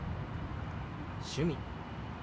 「趣味」。